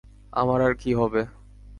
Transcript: আমার আর কি হবে।